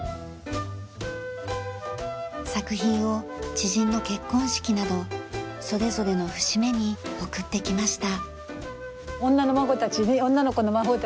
作品を知人の結婚式などそれぞれの節目に贈ってきました。